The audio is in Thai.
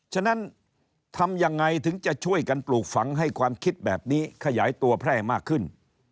ฉะนั้นทำยังไงถึงจะช่วยกันปลูกฝังให้ความคิดแบบนี้ขยายตัวแพร่มากขึ้น